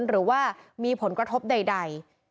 หรือว่ามีผลกระทบใด